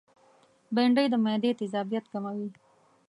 بېنډۍ د معدې تيزابیت کموي